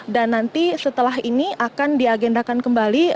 dan nanti setelah ini akan di agendakan kembali